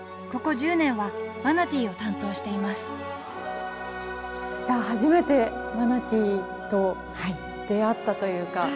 ここ１０年はマナティーを担当しています初めてマナティーと出会ったというか。